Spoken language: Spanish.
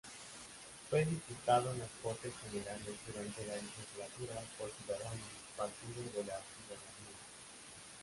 Fue diputado en las Cortes Generales durante la legislatura por Ciudadanos-Partido de la Ciudadanía.